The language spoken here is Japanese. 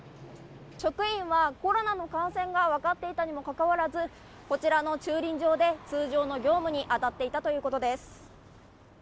職員はコロナの感染が分かっていたにもかかわらずこちらの駐輪場で通常の業務に当たっていたということです。